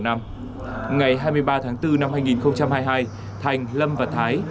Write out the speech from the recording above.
ngày hai mươi ba tháng bốn năm hai nghìn hai mươi hai thành lâm và thái